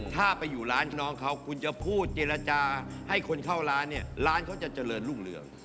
ถ้าไปอยู่ร้านน้องเขาคุณจะพูดเจรจาให้คนเข้าร้านเนี่ยร้านเขาจะเจริญรุ่งเรือง